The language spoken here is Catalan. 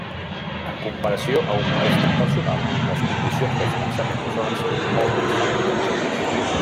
En comparació a un préstec personal les condicions de finançament solen ser molt més avantatjoses.